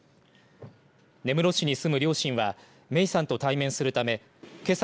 根室市に住む両親は芽生さんと対面するためけさ